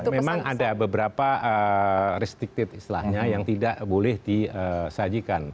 memang ada beberapa resticted istilahnya yang tidak boleh disajikan